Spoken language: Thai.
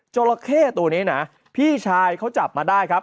จราเข้ตัวนี้นะพี่ชายเขาจับมาได้ครับ